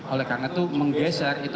oleh karena itu menggeser itu